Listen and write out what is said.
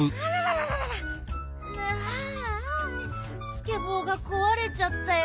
スケボーがこわれちゃったよ。